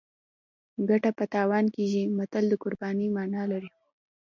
ګټه په تاوان کیږي متل د قربانۍ مانا لري